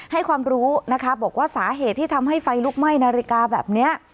ให้ความรู้นะคะบอกว่าสาเหตุที่ทำให้ไฟลุกไหม้นาฬิกาแบบนี้